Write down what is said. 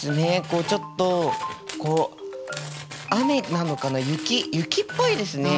こうちょっとこう雨なのかな雪雪っぽいですね。